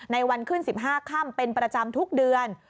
วันขึ้น๑๕ค่ำเป็นประจำทุกเดือน